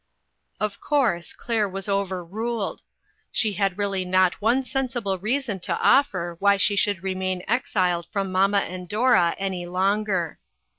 Of course, Claire was overruled. She had really not one sensible reason to offer why she should remain exiled from mamma and Dora any longer.